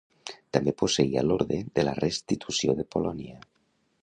També posseïa l'Orde de la Restitució de Polònia.